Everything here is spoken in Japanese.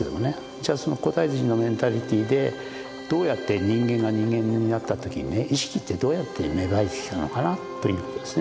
じゃあその古代人のメンタリティーでどうやって人間が人間になった時にね意識ってどうやって芽生えてきたのかなということですね。